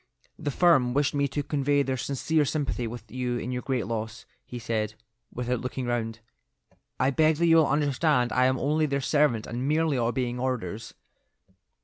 "The firm wished me to convey their sincere sympathy with you in your great loss," he said, without looking round. "I beg that you will understand I am only their servant and merely obeying orders."